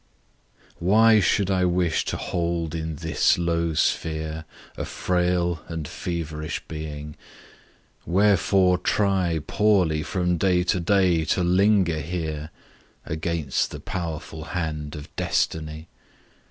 WHY should I wish to hold in this low sphere 'A frail and feverish being?' wherefore try Poorly from day to day to linger here, Against the powerful hand of Destiny?